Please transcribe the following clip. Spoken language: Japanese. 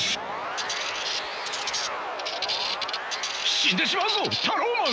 死んでしまうぞタローマン！